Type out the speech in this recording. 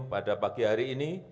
pada pagi hari ini